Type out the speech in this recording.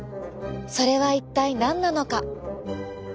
それは一体何なのか。